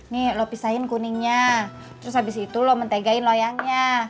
nih lu pisahin kuningnya terus abis itu lu mentegain loyangnya